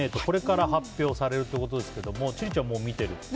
これから発表されるということですけども千里ちゃん、もう見てる？